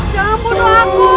jangan bunuh aku